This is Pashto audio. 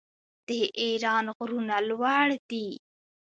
د ایران غرونه لوړ دي.